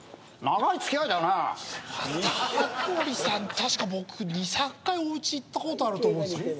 確か僕２３回おうち行ったことあると思うんすよ。